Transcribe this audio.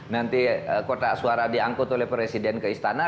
nanti kotak suara diangkut oleh presiden ke istana